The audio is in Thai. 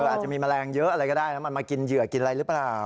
อาจจะมีแมลงเยอะอะไรก็ได้นะมันมากินเหยื่อกินอะไรหรือเปล่า